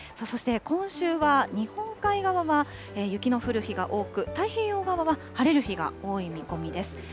そして今週は、日本海側は雪の降る日が多く、太平洋側は晴れる日が多い見込みです。